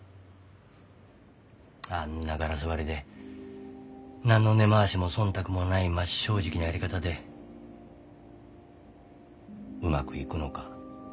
あんなガラス張りで何の根回しも忖度もない真っ正直なやり方でうまくいくのか。